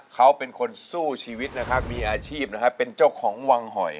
เขาเป็นคนสู้ชีวิตนะครับมีอาชีพนะครับเป็นเจ้าของวังหอย